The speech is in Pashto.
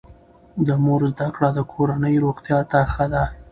د مور زده کړه د کورنۍ روغتیا ته ښه ده.